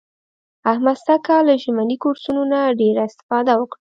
احمد سږ کال له ژمني کورسونو نه ډېره اسفاده وکړه.